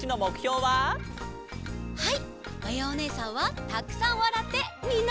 はい！